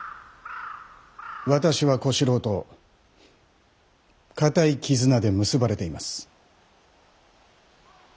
私は小四郎と固い絆で結ばれています。